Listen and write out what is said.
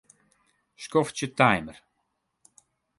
Skoftsje timer.